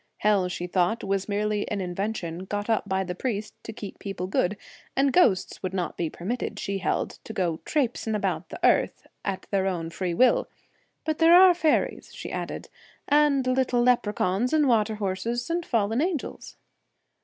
Hell she thought was merely an invention got up by the priest to keep people good ; and ghosts would not be permitted, she held, to go 1 trapsin about the earth ' at their own free will ; 'but there are faeries,' she added, ' and little leprechauns, and water horses, and fallen angels.'